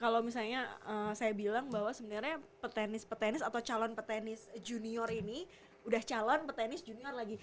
kalau misalnya saya bilang bahwa sebenarnya petenis petenis atau calon petenis junior ini udah calon petenis junior lagi